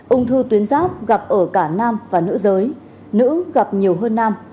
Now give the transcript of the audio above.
ung thư tuyến giáp gặp ở cả nam và nữ giới nữ gặp nhiều hơn nam